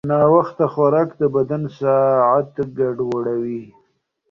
ناوخته خوراک د بدن ساعت ګډوډوي.